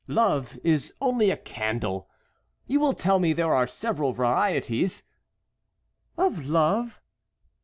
—love is only a candle. You will tell me there are several varieties"— "Of love?"